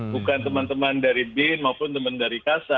bukan teman teman dari bin maupun teman dari kasa